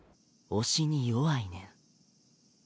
押しに弱いねん。